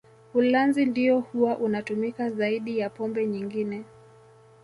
Ulanzi ndio huwa unatumika zaidi ya pombe nyingine